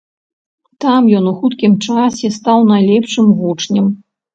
Там ён у хуткім часе стаў найлепшым вучнем.